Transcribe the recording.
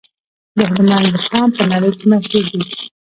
د هلمند رخام په نړۍ کې مشهور دی